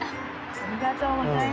ありがとうございます。